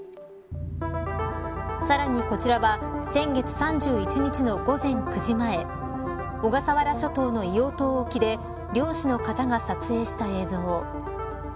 さらに、こちらは先月３１日の午前９時前小笠原諸島の硫黄島沖で漁師の方が撮影した映像。